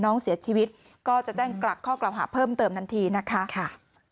น้องเสียชีวิตก็จะแจ้งกลับข้อกล่าวหาเพิ่มเติมทันทีนะคะ